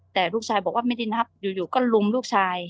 แต่ลูกชายบอกว่าไม่ได้นับอยู่ก็ลุมลูกชาย